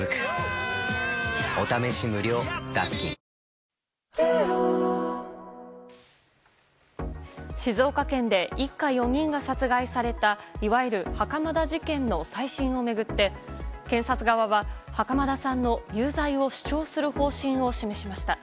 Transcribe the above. ひろうって偉大だな静岡県で一家４人が殺害されたいわゆる袴田事件の再審を巡って検察側は袴田さんの有罪を主張する方針を示しました。